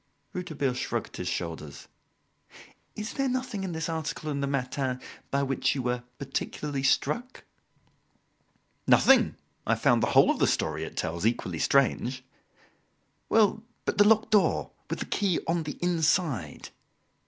Rouletabille shrugged his shoulders. "Is there nothing in this article in the 'Matin' by which you were particularly struck?" "Nothing, I have found the whole of the story it tells equally strange." "Well, but the locked door with the key on the inside?"